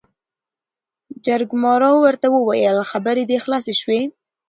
جرګمارو ورته وويل خبرې دې خلاصې شوې ؟